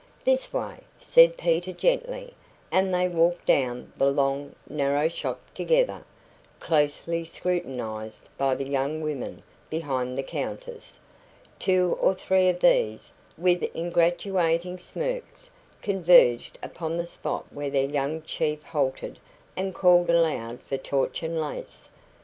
"This way," said Peter gently; and they walked down the long, narrow shop together, closely scrutinised by the young women behind the counters. Two or three of these, with ingratiating smirks, converged upon the spot where their young chief halted and called aloud for torchon lace.